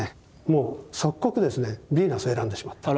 もう即刻ですねヴィーナスを選んでしまった。